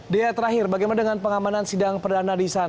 dea terakhir bagaimana dengan pengamanan sidang perdana di sana